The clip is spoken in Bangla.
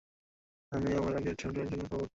আমি আমাদের আগের ঝগড়ার জন্য ক্ষমাপ্রার্থী।